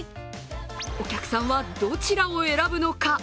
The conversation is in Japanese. お客さんはどちらを選ぶのか。